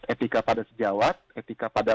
etika pada sejawat etika pada